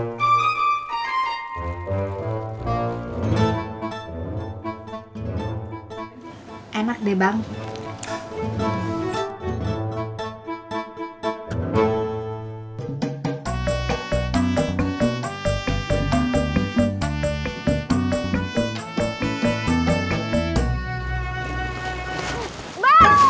enak deh bang